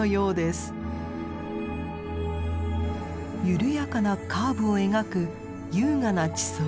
緩やかなカーブを描く優雅な地層。